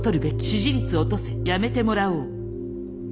「支持率落とせやめてもらおう」